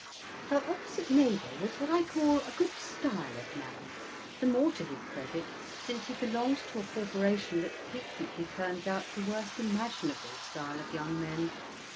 Her opposite neighbour was what I call a good style of man, the more to his credit since he belonged to a corporation that frequently turns out the worst imaginable style of young men.